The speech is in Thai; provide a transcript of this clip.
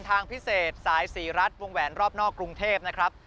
ทางพิเศษสายศรีรัฐวงแหวนรอบนอกกรุงเทพนะครับ